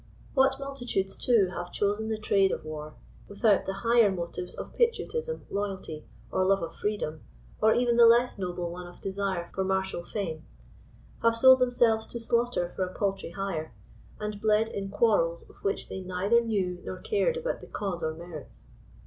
What multitudes too have chosen the trade of war, without the higher motives of of patriotism, loyalty, or love of freedom, or even the less noble one of desire for martial fame ; have sold themselves to slaughter for a paltry hire, and bled in quarrels of which they neither knew nor cared about the cause or merits